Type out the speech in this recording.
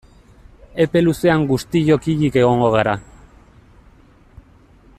Epe luzean guztiok hilik egongo gara.